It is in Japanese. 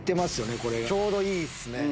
ちょうどいいっすね。